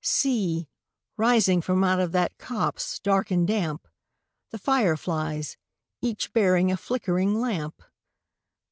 See, rising from out of that copse, dark and damp, The fire flies, each bearing a flickering lamp!